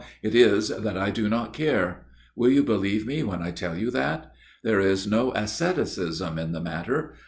It is that I do not care. Will you believe me when I tell you that ? There is no asceticism in the matter.